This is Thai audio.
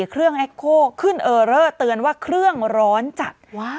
เครื่องแอคโคขึ้นเออเลอร์เตือนว่าเครื่องร้อนจัด